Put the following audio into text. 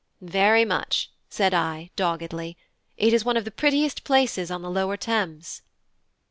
"Very much," said I, doggedly; "it is one of the prettiest places on the lower Thames."